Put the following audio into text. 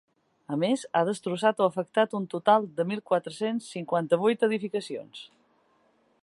A més, ha destrossat o afectat un total de mil quatre-cents cinquanta-vuit edificacions.